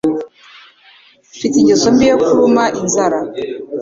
Mfite ingeso mbi yo kuruma inzara